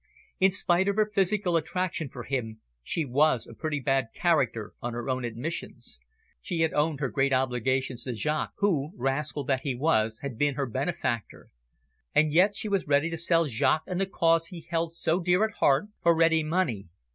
In spite of her physical attraction for him, she was a pretty bad character on her own admissions. She had owned her great obligations to Jaques, who, rascal that he was, had been her benefactor. And yet she was ready to sell Jaques and the Cause he held so dear at heart for ready money.